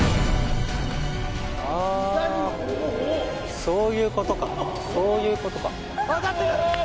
あそういうことかそういうことか当たってる！